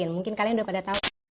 mungkin kalian sudah pada tau